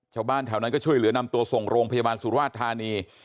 ชาวบ้านแถวนั้นก็ช่วยเหลือนำตัวส่งโรงพยาบาลสุราชธานี